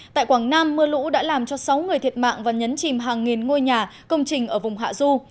tại quảng nam mưa lũ đã làm cho sáu người thiệt mạng và nhấn chìm hàng nghìn ngôi nhà công trình ở vùng hạ du